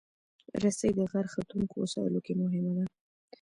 رسۍ د غر ختونکو وسایلو کې مهمه ده.